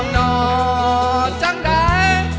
นอจังได้